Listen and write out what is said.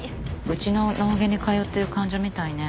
うちの脳外に通ってる患者みたいね。